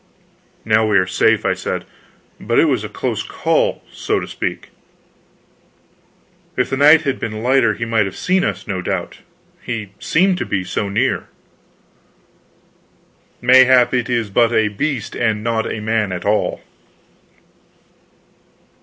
"Now we are safe," I said, "but it was a close call so to speak. If the night had been lighter he might have seen us, no doubt, he seemed to be so near." "Mayhap it is but a beast and not a man at all."